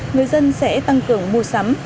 người dân sẽ tăng cường mua sắm